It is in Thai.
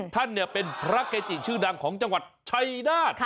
ท่านเป็นพระเกจิชื่อดังของจังหวัดชัยนาธ